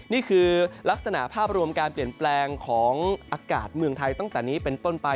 นี่คือลักษณะภาพรวมการเปลี่ยนแปลงของอากาศเมืองไทยตั้งแต่นี้เป็นต้นไป